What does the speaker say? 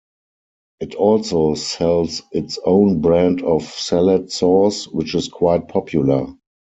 It also sells its own brand of salad sauce, which is quite popular.